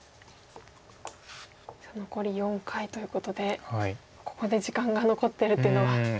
残り４回ということでここで時間が残ってるっていうのは。